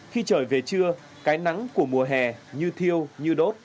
khi trời về trưa cái nắng của mùa hè như thiêu như đốt